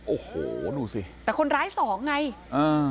โอ้โหดูสิแต่คนร้ายสองไงอ่า